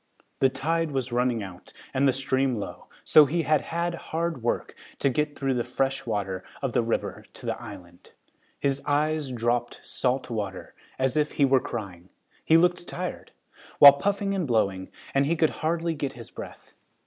The tide was running out and the stream low, so he had had hard work to get through the fresh water of the river and to the island. His eyes dropped salt water, as if he were crying. He looked tired, while puffing and blowing, and he could hardly get his breath.